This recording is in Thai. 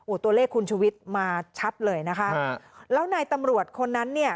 ตัวเลขคุณชุวิตมาชัดเลยนะคะแล้วนายตำรวจคนนั้นเนี่ย